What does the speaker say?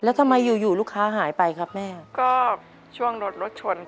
แล้วทำไมอยู่อยู่ลูกค้าหายไปครับแม่ก็ช่วงรถรถชน